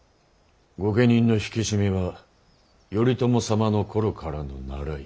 御家人の引き締めは頼朝様の頃からの習い。